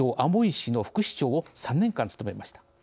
市の副市長を３年間務めました。